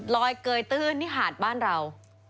เกยตื้นที่หาดบ้านเรา